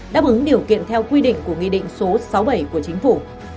đáp ứng điều kiện theo quy định của nghị định số sáu mươi bảy của chính phủ